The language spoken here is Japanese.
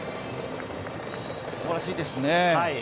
すばらしいですね。